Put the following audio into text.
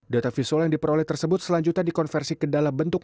data visual yang diperoleh tersebut selanjutnya dikonversi ke dalam bencana satu dan dua